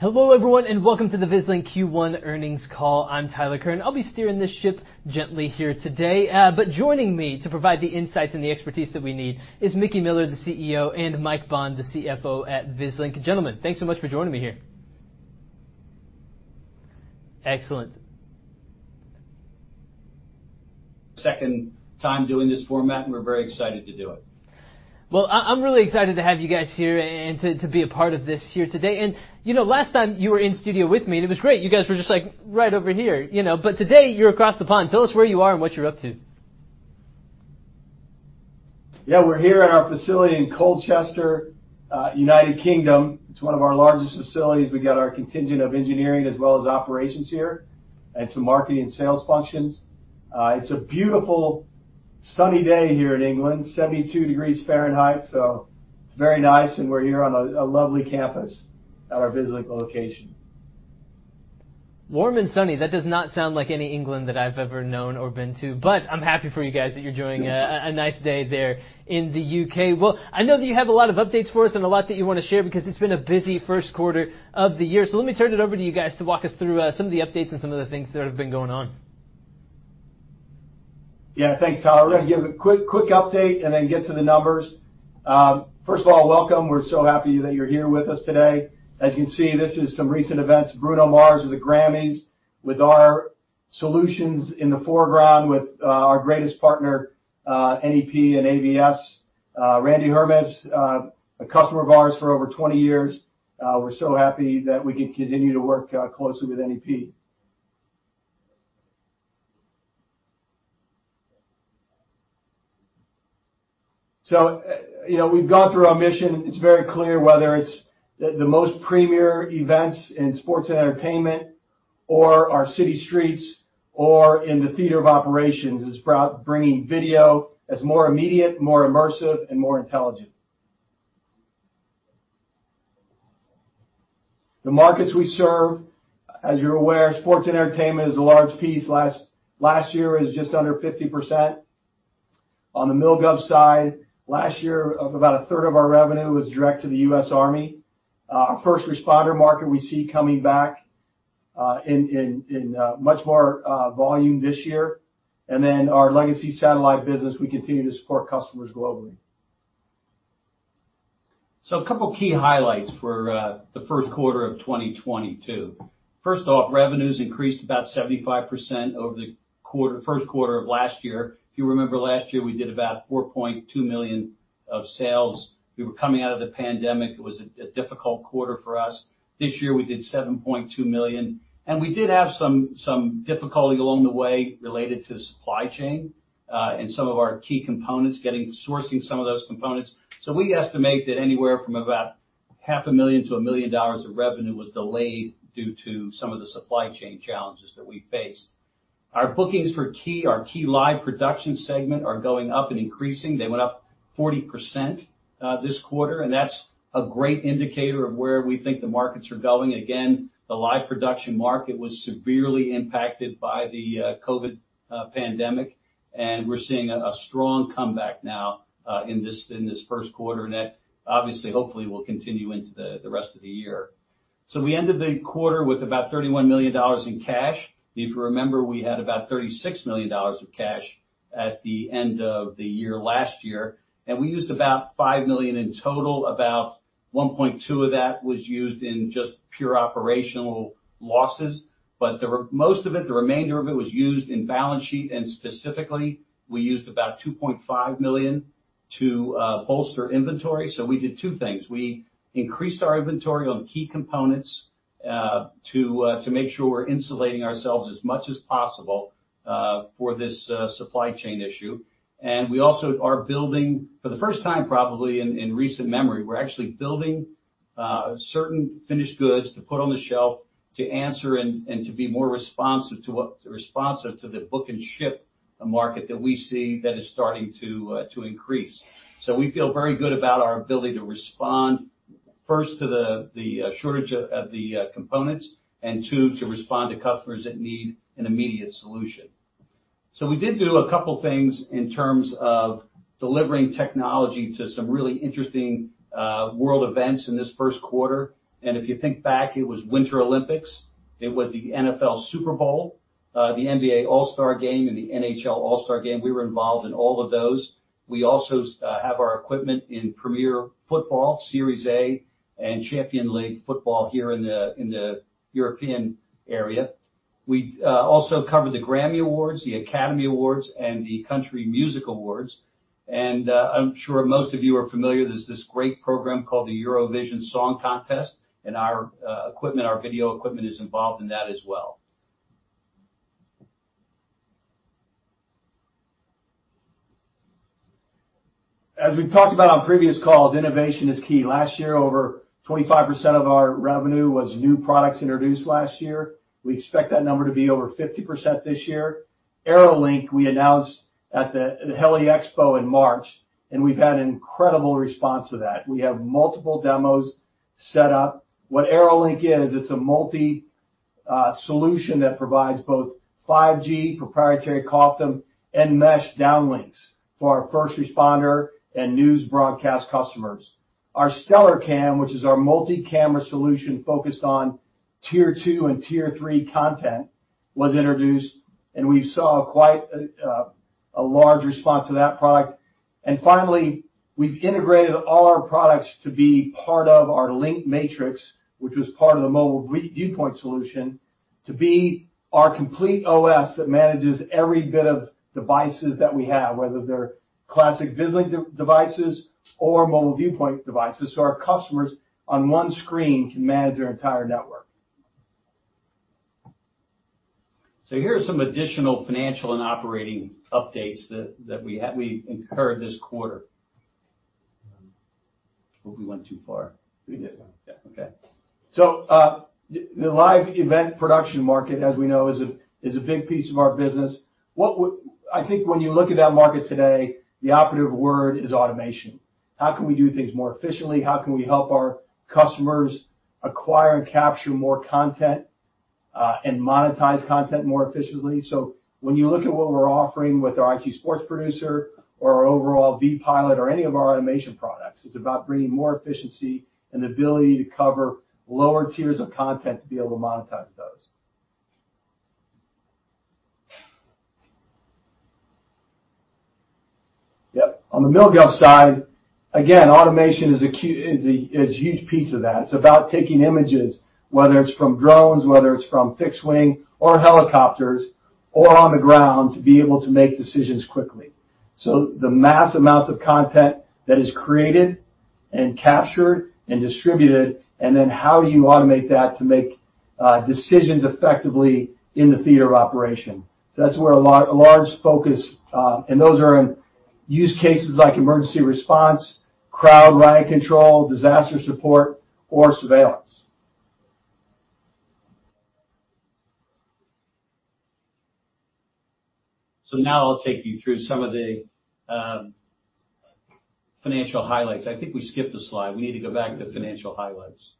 Hello, everyone, and welcome to the Vislink Q1 Earnings Call. I'm Tyler Kern. I'll be steering this ship gently here today. Joining me to provide the insights and the expertise that we need is Mickey Miller, the CEO, and Mike Bond, the CFO at Vislink. Gentlemen, thanks so much for joining me here. Excellent. Second time doing this format, and we're very excited to do it. Well, I'm really excited to have you guys here and to be a part of this here today. You know, last time you were in studio with me, and it was great. You guys were just, like, right over here, you know? Today, you're across the pond. Tell us where you are and what you're up to. Yeah. We're here at our facility in Colchester, United Kingdom. It's one of our largest facilities. We got our contingent of engineering as well as operations here and some marketing sales functions. It's a beautiful, sunny day here in England, 72 degrees Fahrenheit, so it's very nice, and we're here on a lovely campus at our Vislink location. Warm and sunny. That does not sound like any England that I've ever known or been to, but I'm happy for you guys that you're enjoying a nice day there in the U.K. Well, I know that you have a lot of updates for us and a lot that you wanna share because it's been a busy first quarter of the year. Let me turn it over to you guys to walk us through some of the updates and some of the things that have been going on. Yeah. Thanks, Tyler. We're gonna give a quick update and then get to the numbers. First of all, welcome. We're so happy that you're here with us today. As you can see, this is some recent events, Bruno Mars at the Grammys with our solutions in the foreground with our greatest partner, NEP and AVS. Randy Hermes, a customer of ours for over 20 years. We're so happy that we can continue to work closely with NEP. You know, we've gone through our mission. It's very clear whether it's the most premier events in sports and entertainment or our city streets or in the theater of operations. It's bringing video as more immediate, more immersive, and more intelligent. The markets we serve, as you're aware, sports and entertainment is a large piece. Last year, it was just under 50%. On the Mil/Gov side, last year, about 1/3 of our revenue was direct to the U.S. Army. Our first responder market we see coming back in much more volume this year. Our legacy satellite business, we continue to support customers globally. A couple key highlights for the first quarter of 2022. First off, revenues increased about 75% over the first quarter of last year. If you remember last year, we did about $4.2 million of sales. We were coming out of the pandemic. It was a difficult quarter for us. This year, we did $7.2 million, and we did have some difficulty along the way related to supply chain and some of our key components, sourcing some of those components. We estimate that anywhere from about half a million to a million dollars of revenue was delayed due to some of the supply chain challenges that we faced. Our bookings for our key live production segment are going up and increasing. They went up 40%, this quarter, and that's a great indicator of where we think the markets are going. The live production market was severely impacted by the COVID pandemic, and we're seeing a strong comeback now, in this first quarter, and that obviously, hopefully, will continue into the rest of the year. We ended the quarter with about $31 million in cash. If you remember, we had about $36 million of cash at the end of the year last year, and we used about $5 million in total. About $1.2 million of that was used in just pure operational losses, but most of it, the remainder of it was used in balance sheet, and specifically, we used about $2.5 million to bolster inventory. We did two things. We increased our inventory on key components to make sure we're insulating ourselves as much as possible for this supply chain issue. We also are building, for the first time probably in recent memory, actually certain finished goods to put on the shelf to answer and to be more responsive to the book and ship market that we see that is starting to increase. We feel very good about our ability to respond, first, to the shortage of the components, and two, to respond to customers that need an immediate solution. We did do a couple things in terms of delivering technology to some really interesting world events in this first quarter, and if you think back, it was Winter Olympics, it was the NFL Super Bowl, the NBA All-Star Game, and the NHL All-Star Game. We were involved in all of those. We also have our equipment in Premier League, Serie A, and Champions League football here in the European area. We also covered the Grammy Awards, the Academy Awards, and the Country Music Awards. I'm sure most of you are familiar, there's this great program called the Eurovision Song Contest, and our equipment, our video equipment is involved in that as well. As we've talked about on previous calls, innovation is key. Last year, over 25% of our revenue was new products introduced last year. We expect that number to be over 50% this year. AeroLink, we announced at the Heli-Expo in March, and we've had an incredible response to that. We have multiple demos set up. What AeroLink is, it's a multi solution that provides both 5G proprietary COFDM and mesh downlinks for our first responder and news broadcast customers. Our Stellar Cam, which is our multi-camera solution focused on tier two and tier three content, was introduced, and we saw quite a large response to that product. Finally, we've integrated all our products to be part of our LinkMatrix, which was part of the Mobile Viewpoint solution, to be our complete OS that manages every bit of devices that we have, whether they're classic Vislink devices or Mobile Viewpoint devices, so our customers on one screen can manage their entire network. Here are some additional financial and operating updates that we've incurred this quarter. Oh, we went too far. We did. Yeah. Okay. The live event production market, as we know, is a big piece of our business. I think when you look at that market today, the operative word is automation. How can we do things more efficiently? How can we help our customers acquire and capture more content, and monetize content more efficiently? When you look at what we're offering with our IQ Sports Producer or our overall vPilot or any of our automation products, it's about bringing more efficiency and ability to cover lower tiers of content to be able to monetize those. Yep, on the Mil/Gov side, again, automation is a huge piece of that. It's about taking images, whether it's from drones, whether it's from fixed wing or helicopters or on the ground, to be able to make decisions quickly. The mass amounts of content that is created and captured and distributed, and then how you automate that to make decisions effectively in the theater of operation. That's where a large focus, and those are in use cases like emergency response, crowd riot control, disaster support, or surveillance. Now I'll take you through some of the financial highlights. I think we skipped a slide. We need to go back to financial highlights.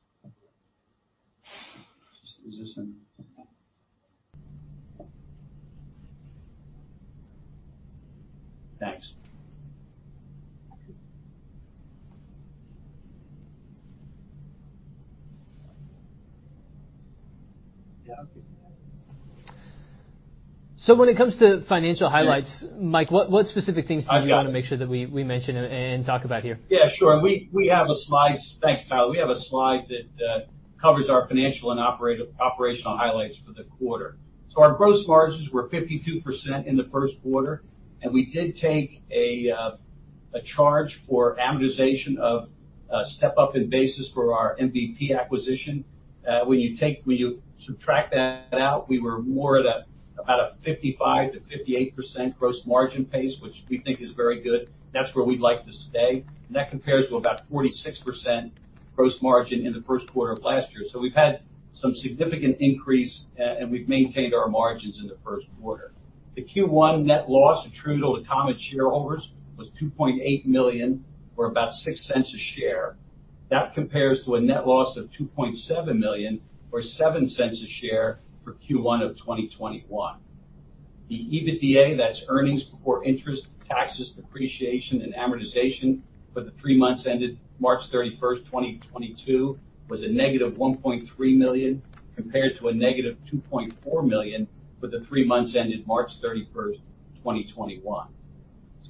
Is this it? Thanks. Yeah. When it comes to financial highlights. Yeah. Mike, what specific things do we wanna make sure that we mention and talk about here? Yeah, sure. We have a slide. Thanks, Tyler. We have a slide that covers our financial and operational highlights for the quarter. Our gross margins were 52% in the first quarter, and we did take a charge for amortization of a step-up in basis for our MVP acquisition. When you subtract that out, we were more at about a 55%-58% gross margin pace, which we think is very good. That's where we'd like to stay. That compares to about 46% gross margin in the first quarter of last year. We've had some significant increase, and we've maintained our margins in the first quarter. The Q1 net loss attributable to common shareholders was $2.8 million, or about $0.06 a share. That compares to a net loss of $2.7 million or $0.07 per share for Q1 of 2021. The EBITDA, that's earnings before interest, taxes, depreciation, and amortization, for the three months ended March 31st, 2022, was a -$1.3 million, compared to a -$2.4 million for the three months ended March 31st, 2021.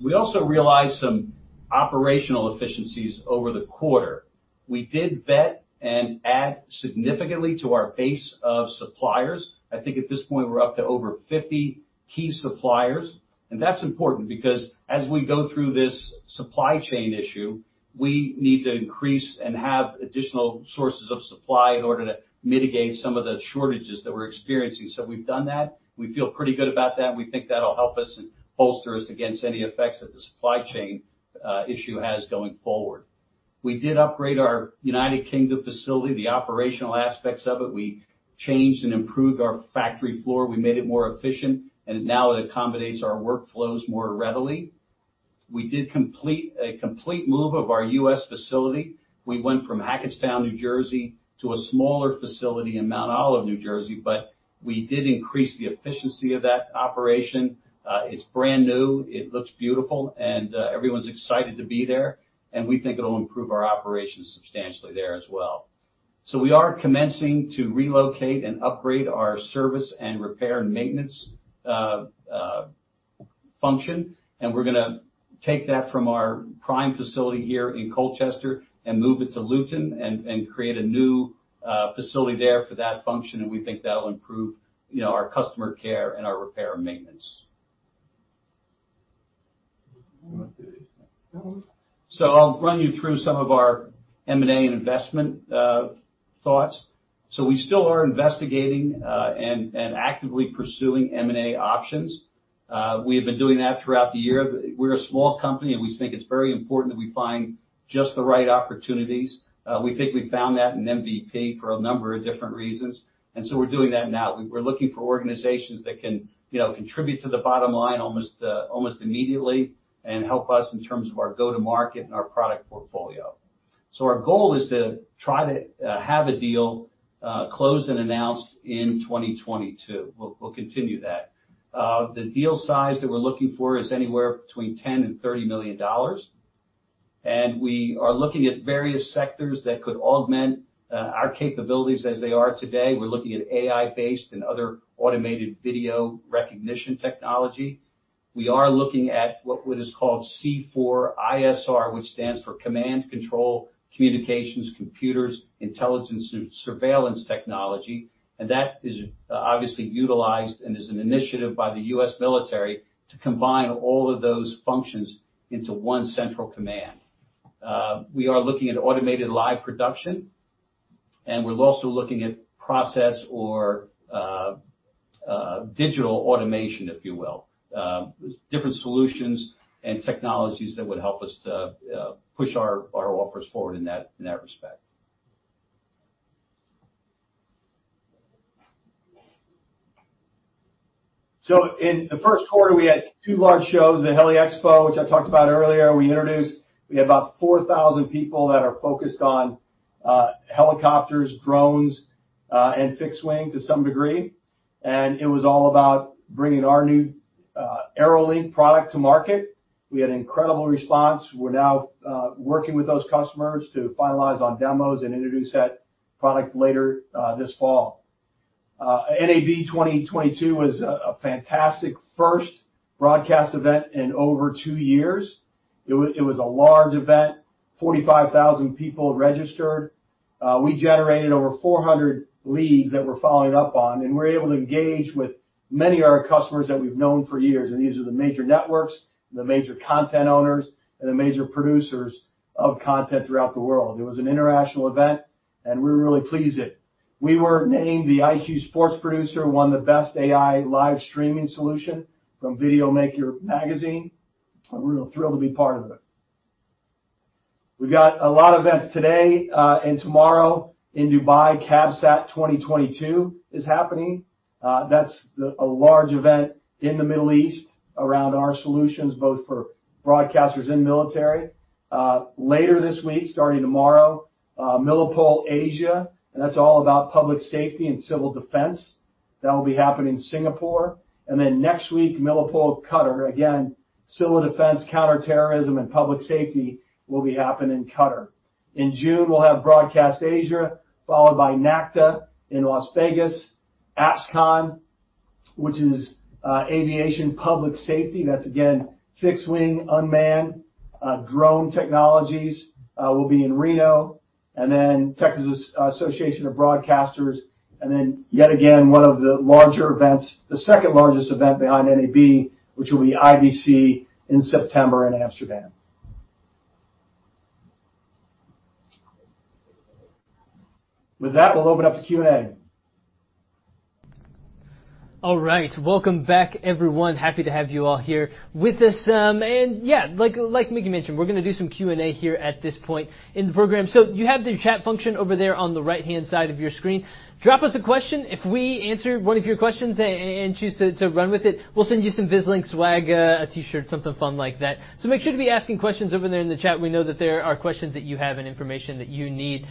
We also realized some operational efficiencies over the quarter. We did vet and add significantly to our base of suppliers. I think at this point, we're up to over 50 key suppliers. That's important because as we go through this supply chain issue, we need to increase and have additional sources of supply in order to mitigate some of the shortages that we're experiencing. We've done that. We feel pretty good about that, and we think that'll help us and bolster us against any effects that the supply chain issue has going forward. We did upgrade our United Kingdom facility, the operational aspects of it. We changed and improved our factory floor. We made it more efficient, and now it accommodates our workflows more readily. We did complete a move of our U.S. facility. We went from Hackettstown, New Jersey, to a smaller facility in Mount Olive, New Jersey, but we did increase the efficiency of that operation. It's brand new, it looks beautiful, and everyone's excited to be there, and we think it'll improve our operations substantially there as well. We are commencing to relocate and upgrade our service and repair and maintenance function, and we're gonna take that from our prime facility here in Colchester and move it to Luton and create a new facility there for that function. We think that'll improve, you know, our customer care and our repair and maintenance. I'll run you through some of our M&A and investment thoughts. We still are investigating and actively pursuing M&A options. We have been doing that throughout the year. We're a small company, and we think it's very important that we find just the right opportunities. We think we found that in MVP for a number of different reasons, and so we're doing that now. We're looking for organizations that can, you know, contribute to the bottom line almost immediately and help us in terms of our go-to-market and our product portfolio. Our goal is to try to have a deal closed and announced in 2022. We'll continue that. The deal size that we're looking for is anywhere between $10 million and $30 million. We are looking at various sectors that could augment our capabilities as they are today. We're looking at AI-based and other automated video recognition technology. We are looking at what is called C4ISR, which stands for Command, Control, Communications, Computers, Intelligence, and Surveillance technology. That is obviously utilized and is an initiative by the U.S. military to combine all of those functions into one central command. We are looking at automated live production, and we're also looking at process or digital automation, if you will. Different solutions and technologies that would help us to push our offers forward in that respect. In the first quarter, we had two large shows, the Heli-Expo, which I talked about earlier. We had about 4,000 people that are focused on helicopters, drones, and fixed wing to some degree. It was all about bringing our new AeroLink product to market. We had an incredible response. We're now working with those customers to finalize on demos and introduce that product later this fall. NAB 2022 was a fantastic first broadcast event in over two years. It was a large event. 45,000 people registered. We generated over 400 leads that we're following up on, and we were able to engage with many of our customers that we've known for years, and these are the major networks, the major content owners, and the major producers of content throughout the world. It was an international event, and we're really pleased it. We were named the IQ Sports Producer, won the best AI live streaming solution from Videomaker Magazine. We're really thrilled to be part of it. We've got a lot of events today and tomorrow in Dubai, CABSAT 2022 is happening. That's a large event in the Middle East around our solutions, both for broadcasters and military. Later this week, starting tomorrow, Milipol Asia-Pacific, and that's all about public safety and civil defense. That'll be happening in Singapore. Then next week, Milipol Qatar. Again, civil defense, counterterrorism, and public safety will be happening in Qatar. In June, we'll have BroadcastAsia, followed by NACDA in Las Vegas. APSCON, which is aviation public safety. That's again, fixed wing, unmanned drone technologies, will be in Reno. Texas Association of Broadcasters. Yet again, one of the larger events, the second largest event behind NAB, which will be IBC in September in Amsterdam. With that, we'll open up to Q&A. All right. Welcome back, everyone. Happy to have you all here with us. Yeah, like Mickey mentioned, we're gonna do some Q&A here at this point in the program. You have the chat function over there on the right-hand side of your screen. Drop us a question. If we answer one of your questions and choose to run with it, we'll send you some Vislink swag, a T-shirt, something fun like that. Make sure to be asking questions over there in the chat. We know that there are questions that you have and information that you need,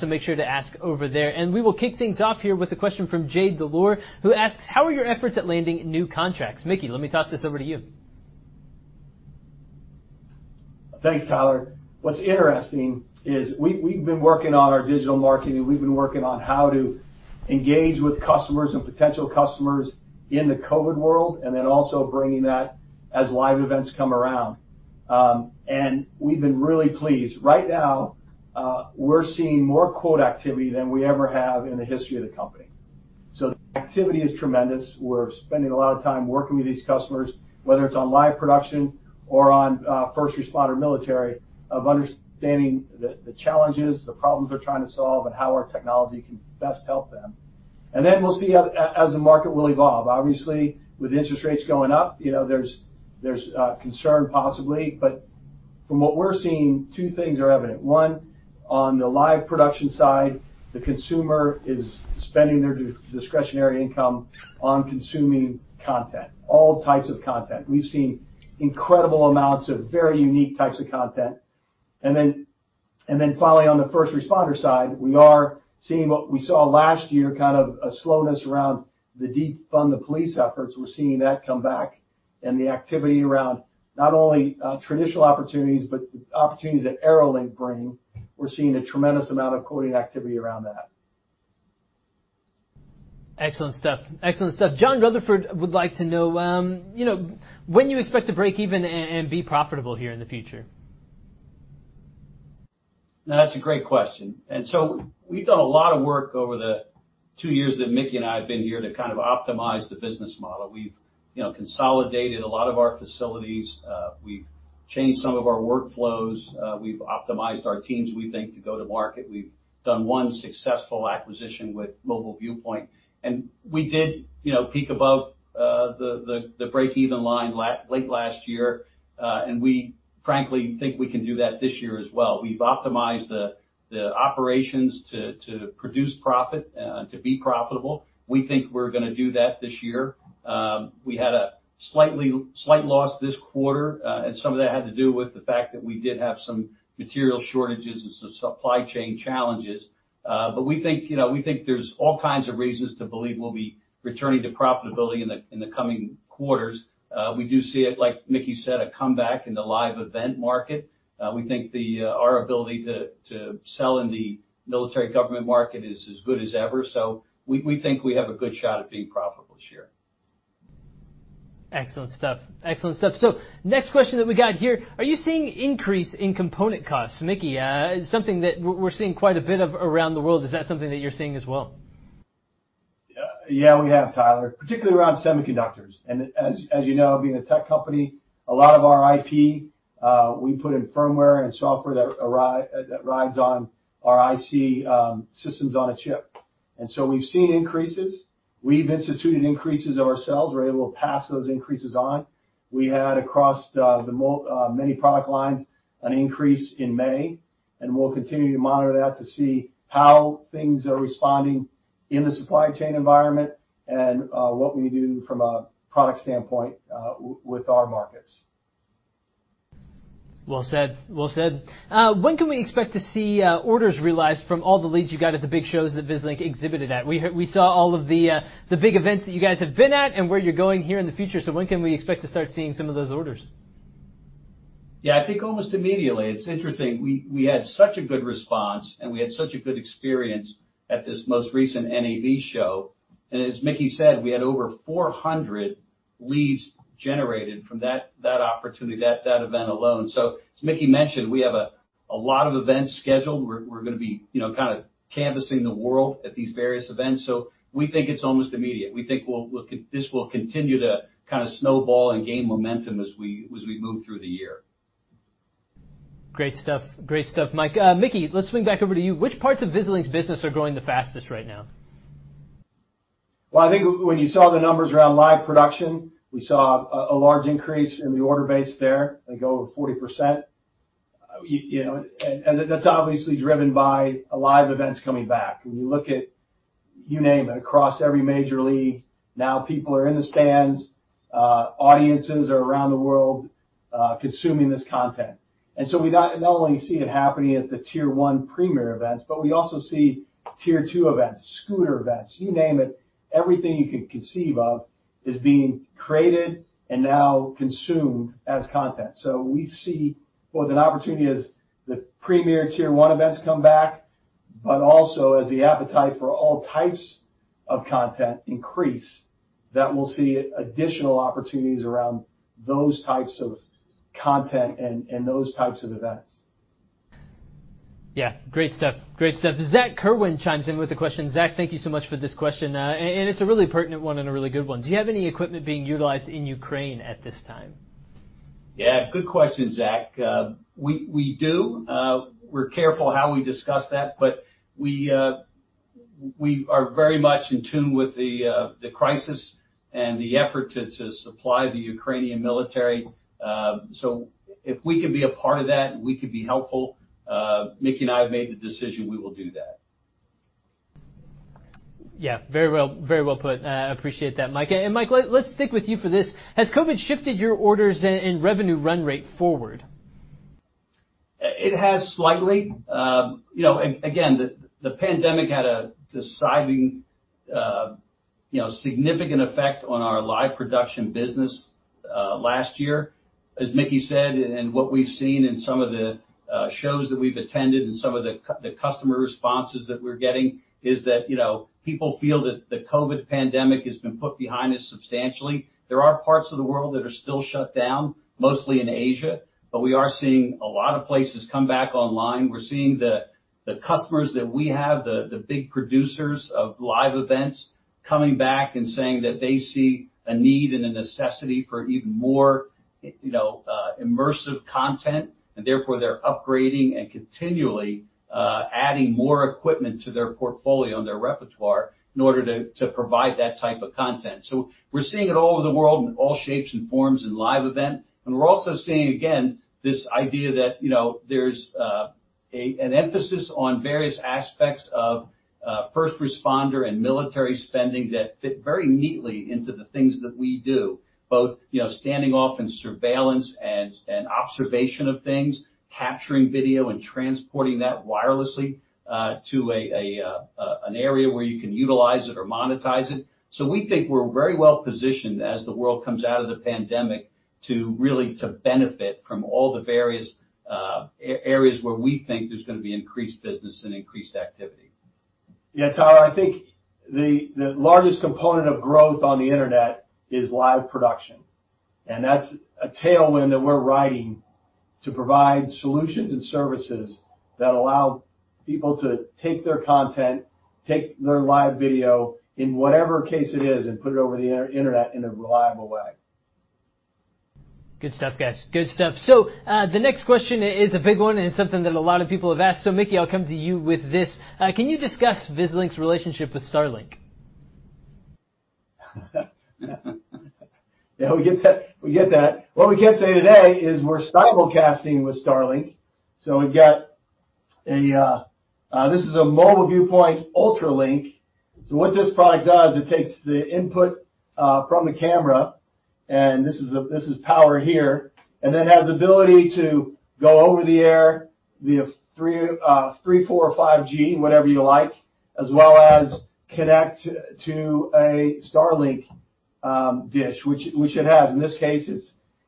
so make sure to ask over there. We will kick things off here with a question from Jade Delor, who asks: "How are your efforts at landing new contracts?" Mickey, let me toss this over to you. Thanks, Tyler. What's interesting is we've been working on our digital marketing. We've been working on how to engage with customers and potential customers in the COVID world, and then also bringing that as live events come around. We've been really pleased. Right now, we're seeing more quote activity than we ever have in the history of the company. The activity is tremendous. We're spending a lot of time working with these customers, whether it's on live production or on first responder military, of understanding the challenges, the problems they're trying to solve, and how our technology can best help them. We'll see how the market will evolve. Obviously, with interest rates going up, you know, there's concern possibly. From what we're seeing, two things are evident. One, on the live production side, the consumer is spending their discretionary income on consuming content, all types of content. We've seen incredible amounts of very unique types of content. Finally, on the first responder side, we are seeing what we saw last year, kind of a slowness around the defund the police efforts. We're seeing that come back and the activity around not only traditional opportunities, but opportunities that AeroLink bring. We're seeing a tremendous amount of quoting activity around that. Excellent stuff. John Rutherford would like to know when you expect to break even and be profitable here in the future. Now, that's a great question. We've done a lot of work over the two years that Mickey and I have been here to kind of optimize the business model. We've, you know, consolidated a lot of our facilities. We've changed some of our workflows. We've optimized our teams, we think, to go to market. We've done one successful acquisition with Mobile Viewpoint. We did, you know, peak above the break-even line late last year, and we frankly think we can do that this year as well. We've optimized the operations to produce profit, to be profitable. We think we're gonna do that this year. We had a slight loss this quarter, and some of that had to do with the fact that we did have some material shortages and some supply chain challenges. We think, you know, there's all kinds of reasons to believe we'll be returning to profitability in the coming quarters. We do see it, like Mickey said, a comeback in the live event market. We think our ability to sell in the military government market is as good as ever. We think we have a good shot at being profitable this year. Excellent stuff. Next question that we got here: are you seeing increase in component costs? Mickey, something that we're seeing quite a bit of around the world, is that something that you're seeing as well? Yeah, we have, Tyler, particularly around semiconductors. As you know, being a tech company, a lot of our IP, we put in firmware and software that rides on our IC systems on a chip. We've seen increases. We've instituted increases ourselves. We're able to pass those increases on. We had, across, many product lines, an increase in May, and we'll continue to monitor that to see how things are responding in the supply chain environment and what we do from a product standpoint with our markets. Well said. Well said. When can we expect to see orders realized from all the leads you got at the big shows that Vislink exhibited at? We saw all of the the big events that you guys have been at and where you're going here in the future, so when can we expect to start seeing some of those orders? Yeah. I think almost immediately. It's interesting, we had such a good response, and we had such a good experience at this most recent NAB show. As Mickey said, we had over 400 leads generated from that opportunity, that event alone. As Mickey mentioned, we have a lot of events scheduled. We're gonna be, you know, kinda canvassing the world at these various events, so we think it's almost immediate. We think we'll look, this will continue to kinda snowball and gain momentum as we move through the year. Great stuff. Great stuff, Mike. Mickey, let's swing back over to you. Which parts of Vislink's business are growing the fastest right now? Well, I think when you saw the numbers around live production, we saw a large increase in the order base there, I think over 40%. You know, that's obviously driven by live events coming back. When you look at, you name it, across every major league now people are in the stands, audiences are around the world, consuming this content. We not only see it happening at the tier one premier events, but we also see tier two events, scooter events, you name it. Everything you could conceive of is being created and now consumed as content. We see both an opportunity as the premier tier one events come back, but also as the appetite for all types of content increase, that we'll see additional opportunities around those types of content and those types of events. Yeah. Great stuff. Great stuff. Zac Curwen chimes in with a question. Zach, thank you so much for this question. It's a really pertinent one and a really good one. Do you have any equipment being utilized in Ukraine at this time? Yeah. Good question, Zach. We do. We're careful how we discuss that, but we are very much in tune with the crisis and the effort to supply the Ukrainian military. If we can be a part of that, and we can be helpful, Mickey and I have made the decision, we will do that. Yeah. Very well put. I appreciate that, Mike. Mike, let's stick with you for this. Has COVID shifted your orders and revenue run rate forward? It has slightly. You know, again, the pandemic had a decimating, you know, significant effect on our live production business last year, as Mickey said, and what we've seen in some of the shows that we've attended and some of the customer responses that we're getting is that, you know, people feel that the COVID pandemic has been put behind us substantially. There are parts of the world that are still shut down, mostly in Asia, but we are seeing a lot of places come back online. We're seeing the customers that we have, the big producers of live events coming back and saying that they see a need and a necessity for even more, you know, immersive content, and therefore, they're upgrading and continually adding more equipment to their portfolio and their repertoire in order to provide that type of content. We're seeing it all over the world in all shapes and forms in live event, and we're also seeing, again, this idea that, you know, there's an emphasis on various aspects of first responder and military spending that fit very neatly into the things that we do, both, you know, standing off and surveillance and observation of things, capturing video, and transporting that wirelessly to an area where you can utilize it or monetize it. We think we're very well positioned as the world comes out of the pandemic to really benefit from all the various areas where we think there's gonna be increased business and increased activity. Yeah, Tyler, I think the largest component of growth on the Internet is live production, and that's a tailwind that we're riding to provide solutions and services that allow people to take their content, take their live video in whatever case it is, and put it over the Internet in a reliable way. Good stuff, guys. Good stuff. The next question is a big one, and it's something that a lot of people have asked, so Mickey, I'll come to you with this. Can you discuss Vislink's relationship with Starlink? Yeah, we get that, we get that. What we can't say today is we're simulcasting with Starlink. We've got this is a Mobile Viewpoint UltraLink. What this product does, it takes the input from the camera, and this is power here, and then has ability to go over the air via 3G, 4G, 5G, whatever you like, as well as connect to a Starlink dish, which it has. In this case,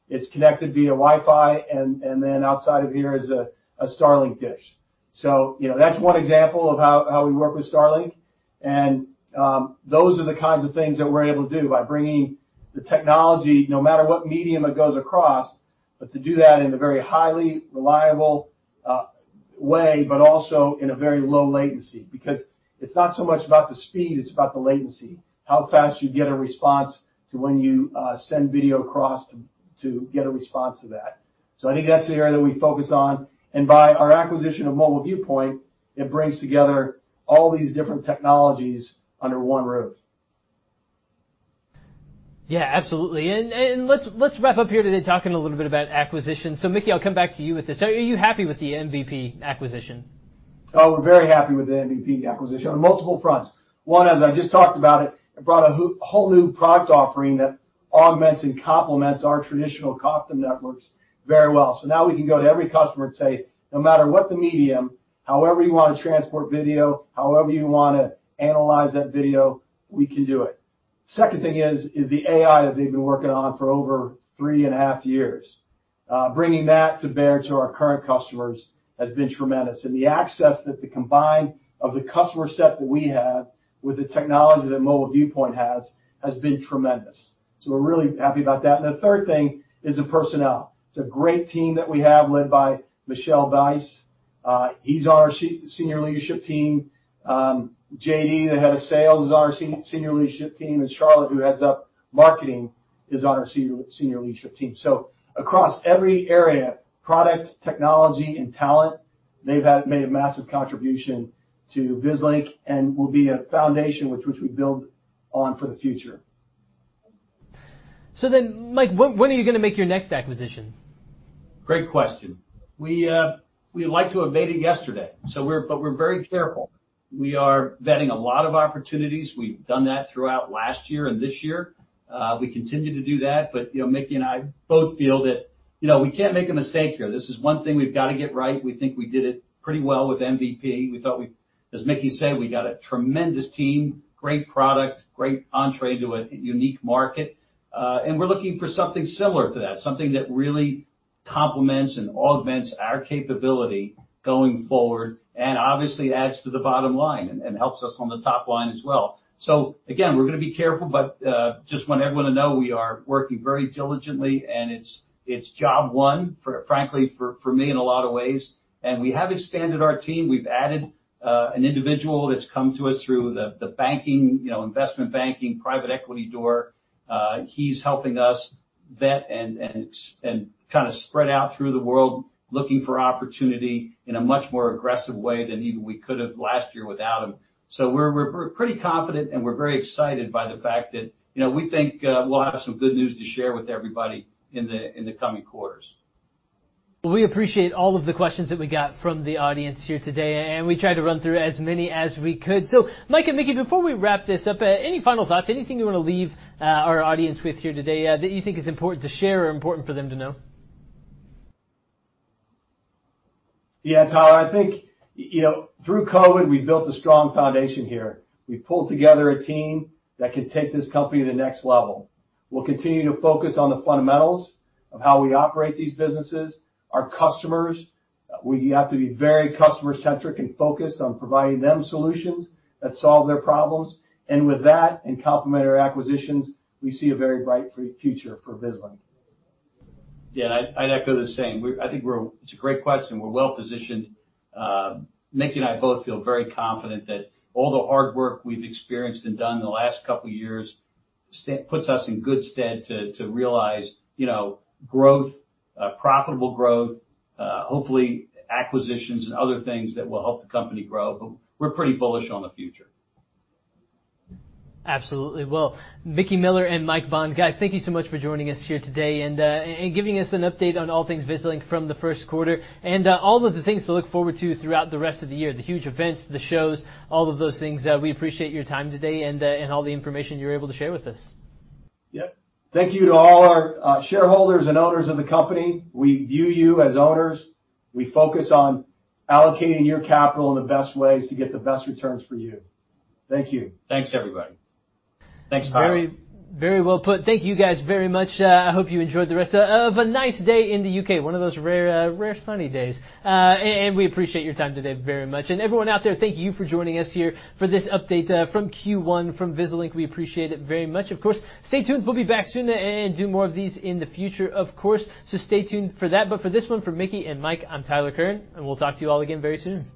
it's connected via Wi-Fi, and then outside of here is a Starlink dish. You know, that's one example of how we work with Starlink. Those are the kinds of things that we're able to do by bringing the technology, no matter what medium it goes across, but to do that in a very highly reliable way, but also in a very low latency, because it's not so much about the speed, it's about the latency, how fast you get a response to when you send video across to get a response to that. I think that's the area that we focus on. By our acquisition of Mobile Viewpoint, it brings together all these different technologies under one roof. Yeah, absolutely. Let's wrap up here today talking a little bit about acquisitions. Mickey, I'll come back to you with this. Are you happy with the MVP acquisition? Oh, we're very happy with the MVP acquisition on multiple fronts. One, as I just talked about it brought a whole new product offering that augments and complements our traditional custom networks very well. Now we can go to every customer and say, "No matter what the medium, however you wanna transport video, however you wanna analyze that video, we can do it." Second thing is the AI that they've been working on for over 3.5 years. Bringing that to bear to our current customers has been tremendous. The access that the combination of the customer set that we have with the technology that Mobile Viewpoint has has been tremendous. We're really happy about that. The third thing is the personnel. It's a great team that we have led by Michel Bais. He's on our senior leadership team. JD, the head of sales, is on our senior leadership team, and Charlotte, who heads up marketing, is on our senior leadership team. Across every area, product, technology, and talent, they've had made a massive contribution to Vislink and will be a foundation which we build on for the future. Mike, when are you gonna make your next acquisition? Great question. We'd like to have made it yesterday, so we're very careful. We are vetting a lot of opportunities. We've done that throughout last year and this year. We continue to do that, but, you know, Mickey and I both feel that, you know, we can't make a mistake here. This is one thing we've gotta get right. We think we did it pretty well with MVP. We thought. As Mickey said, we got a tremendous team, great product, great entree to a unique market, and we're looking for something similar to that, something that really complements and augments our capability going forward and obviously adds to the bottom line and helps us on the top line as well. Again, we're gonna be careful, but just want everyone to know we are working very diligently, and it's job one for, frankly, for me in a lot of ways. We have expanded our team. We've added an individual that's come to us through the banking, you know, investment banking, private equity door. He's helping us vet and kind of spread out through the world, looking for opportunity in a much more aggressive way than even we could have last year without him. We're pretty confident, and we're very excited by the fact that, you know, we think we'll have some good news to share with everybody in the coming quarters. Well, we appreciate all of the questions that we got from the audience here today, and we tried to run through as many as we could. Mike and Mickey, before we wrap this up, any final thoughts, anything you wanna leave our audience with here today, that you think is important to share or important for them to know? Yeah, Tyler, I think, you know, through COVID, we've built a strong foundation here. We've pulled together a team that can take this company to the next level. We'll continue to focus on the fundamentals of how we operate these businesses. Our customers, we have to be very customer-centric and focused on providing them solutions that solve their problems. With that, and complementary acquisitions, we see a very bright future for Vislink. Yeah, I'd echo the same. I think it's a great question. We're well-positioned. Mickey and I both feel very confident that all the hard work we've experienced and done in the last couple years puts us in good stead to realize, you know, growth, profitable growth, hopefully acquisitions and other things that will help the company grow. But we're pretty bullish on the future. Absolutely. Well, Mickey Miller and Mike Bond, guys, thank you so much for joining us here today and giving us an update on all things Vislink from the first quarter and all of the things to look forward to throughout the rest of the year, the huge events, the shows, all of those things. We appreciate your time today and all the information you were able to share with us. Yep. Thank you to all our shareholders and owners of the company. We view you as owners. We focus on allocating your capital in the best ways to get the best returns for you. Thank you. Thanks, everybody. Thanks, Tyler. Very, very well put. Thank you guys very much. I hope you enjoyed the rest of a nice day in the UK, one of those rare sunny days. We appreciate your time today very much. Everyone out there, thank you for joining us here for this update from Q1 from Vislink. We appreciate it very much. Of course, stay tuned, we'll be back soon and do more of these in the future, of course, so stay tuned for that. For this one, for Mickey and Mike, I'm Tyler Kern, and we'll talk to you all again very soon.